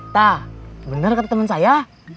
ta bener kata temen saya